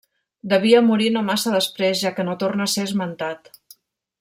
Devia morir no massa després, ja que no torna a ser esmentat.